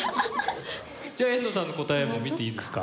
じゃあ遠藤さんの答えも見ていいですか？